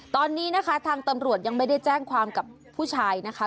ตอนนี้นะคะทางตำรวจยังไม่ได้แจ้งความกับผู้ชายนะคะ